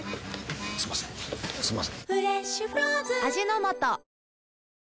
すみませんすみません。